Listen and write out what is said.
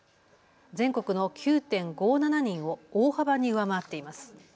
全国の９．５７人を大幅に上回っています。